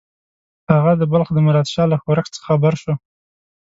هغه د بلخ د مراد شاه له ښورښ څخه خبر شو.